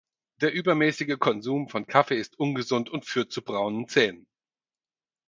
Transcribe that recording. Der übermäßige Konsum von Kaffee ist ungesund und führt zu braunen Zähnen.